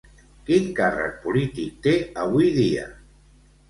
Quin càrrec polític té avui dia?